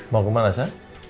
mau kemana sa